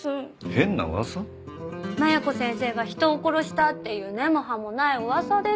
麻弥子先生が人を殺したっていう根も葉もない噂です。